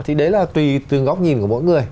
thì đấy là tùy từ góc nhìn của mỗi người